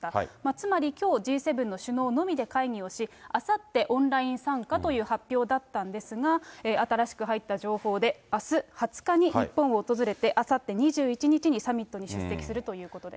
つまり、きょうＧ７の首脳のみで会議をし、あさってオンライン参加という発表だったんですが、新しく入った情報で、あす２０日に日本を訪れて、あさって２１日にサミットに出席するということです。